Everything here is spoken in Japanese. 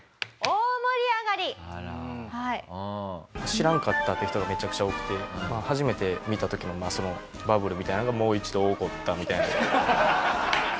「知らんかった」っていう人がめちゃくちゃ多くて初めて見た時のそのバブルみたいなのがもう一度起こったみたいな感じでしたね。